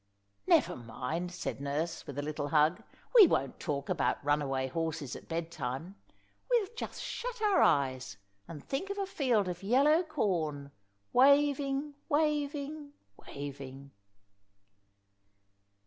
"Never mind," said nurse, with a little hug, "we won't talk about runaway horses at bedtime. We'll just shut our eyes and think of a field of yellow corn, waving, waving, waving."